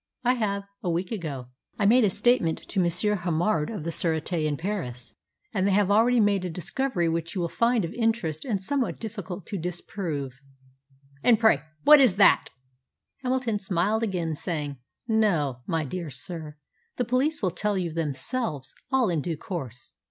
"I have a week ago. I made a statement to M. Hamard of the Sûreté in Paris, and they have already made a discovery which you will find of interest and somewhat difficult to disprove." "And pray what is that?" Hamilton smiled again, saying, "No, my dear sir, the police will tell you themselves all in due course.